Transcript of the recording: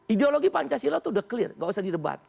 ideologi pancasila itu udah clear gak usah direbat